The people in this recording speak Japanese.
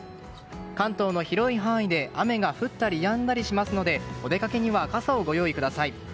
関東の広い範囲で雨が降ったりやんだりしますのでお出かけには傘をご用意ください。